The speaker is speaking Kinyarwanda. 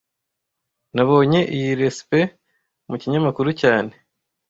Nabonye iyi resept mu kinyamakuru cyane